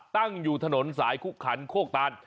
ตั้งอยู่ถนนสายคุกขันโคกตาน